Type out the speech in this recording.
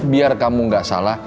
biar kamu gak salah